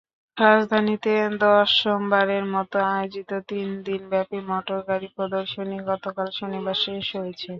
রাজধানীতে দশমবারের মতো আয়োজিত তিন দিনব্যাপী মোটর গাড়ি প্রদর্শনী গতকাল শনিবার শেষ হয়েছে।